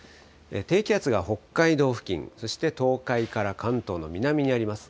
低気圧が北海道付近、そして東海から関東の南にあります。